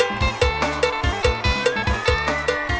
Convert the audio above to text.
ว้าว